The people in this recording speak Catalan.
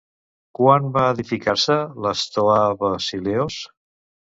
Quan va edificar-se la Stoà Basileos?